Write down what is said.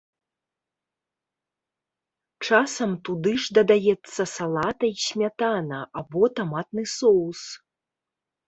Часам туды ж дадаецца салата і смятана або таматны соус.